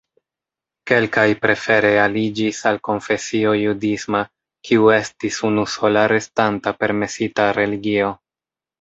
Kelkaj prefere aliĝis al konfesio judisma, kiu estis unusola restanta permesita religio.